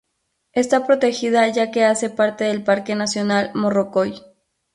Está protegida ya que hace parte del Parque nacional Morrocoy.